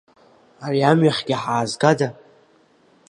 Ари амҩахьгьы ҳаазгада?